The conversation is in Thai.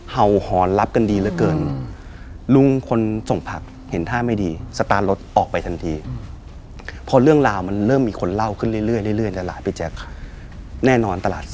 เห่าหอนรับกันดีเหลือเกิน